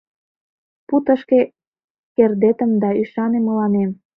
Пу тышке кердетым да ӱшане мыланем!